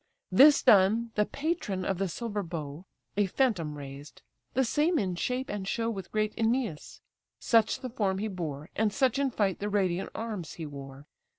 This done, the patron of the silver bow A phantom raised, the same in shape and show With great Æneas; such the form he bore, And such in fight the radiant arms he wore.